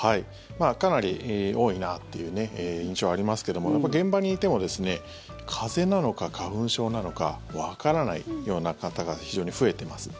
かなり多いなという印象がありますけども現場にいても風邪なのか花粉症なのかわからないような方が非常に増えてます。